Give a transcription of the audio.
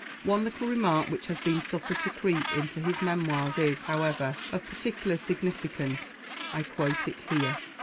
One little remark which has been suffered to creep into his Memoirs is, however, of peculiar significance. I quote it here.